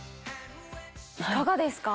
・いかがですか？